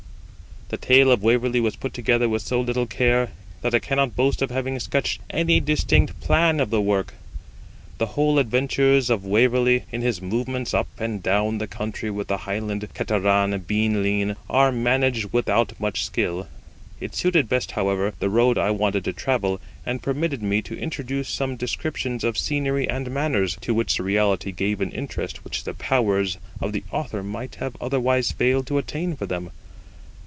The tale of WAVERLEY was put together with so little care that I cannot boast of having sketched any distinct plan of the work. The whole adventures of Waverley, in his movements up and down the country with the Highland cateran Bean Lean, are managed without much skill. It suited best, however, the road I wanted to travel, and permitted me to introduce some descriptions of scenery and manners, to which the reality gave an interest which the powers of the Author might have otherwise failed to attain for them.